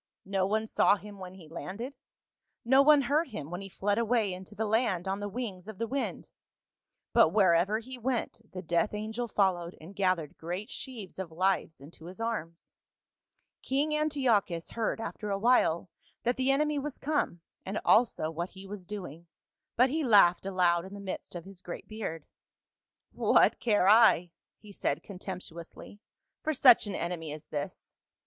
No one saw him when he landed, no one heard him when he fled away into the land on the wings of the wind, but wherever he went the death angel followed and gathered great sheaves of lives into his arms. " King Antiochus heard after a while that the enemy was come, and also what he was doing, but he laughed aloud in the midst of his great beard. "'What care I,' he said contemptuously, 'for such an enemy as this